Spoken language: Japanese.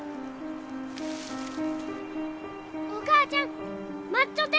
お母ちゃん待っちょって！